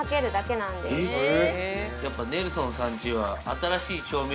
やっぱネルソンさん家は。